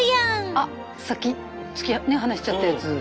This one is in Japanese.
あっさっき離しちゃったやつ。